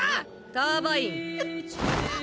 ターバイン。